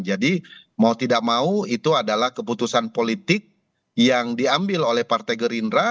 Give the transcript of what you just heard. jadi mau tidak mau itu adalah keputusan politik yang diambil oleh partai gerindra